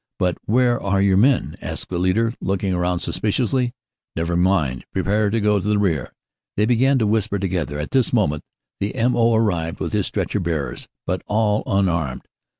"But where are your men?" asked the leader, looking round suspiciously. "Never mind; prepare to go to the rear." They began to whisper together. At this moment the M. O. arrived with his stretcher bearers, but all unarmed.